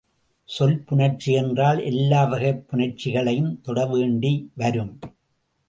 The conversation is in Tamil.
சொல் புணர்ச்சி என்றால் எல்லா வகைப் புணர்ச்சிகளையும் தொட வேண்டி வரும்.